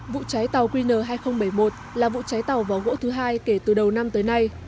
vụ cháy tàu qn hai nghìn bảy mươi một là vụ cháy tàu vỏ gỗ thứ hai kể từ đầu năm tới nay